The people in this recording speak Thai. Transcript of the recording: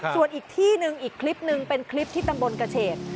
ส่วนอีกที่นึงอีกคลิปนึงเป็นคลิปที่ตำบลเกษตร